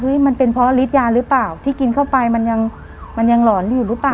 มันเป็นเพราะฤทธิยาหรือเปล่าที่กินเข้าไปมันยังมันยังหลอนอยู่หรือเปล่า